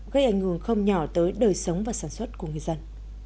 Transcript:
gây ảnh hưởng không nhỏ tới đời sống và sản xuất của người dân